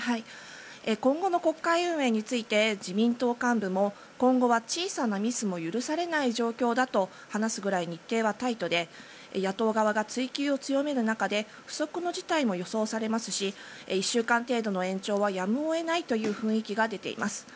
今後の国会運営について自民党幹部も今後は小さなミスも許されない状況だと話すくらい日程はタイトで野党側が追及を強める中で不測の事態も予想されますし１週間程度の延長はやむを得ないという雰囲気が出ています。